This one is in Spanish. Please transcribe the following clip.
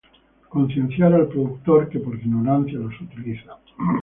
Concienciar al productor que, por ignorancia los utiliza.